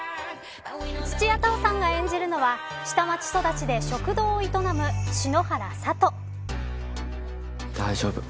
土屋太鳳さんが演じるのは下町育ちで食堂を営む篠原佐都。